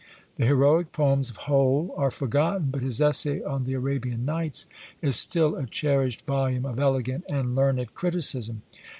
The heroic poems of Hole are forgotten, but his essay on the Arabian Nights is still a cherished volume of elegant and learned criticism.